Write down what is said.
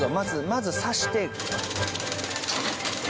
まず刺して。